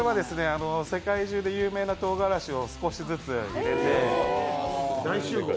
世界中で有名なとうがらしを少しずつ入れて。